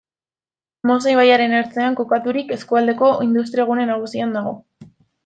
Mosa ibaiaren ertzean kokaturik, eskualdeko industriagune nagusian dago.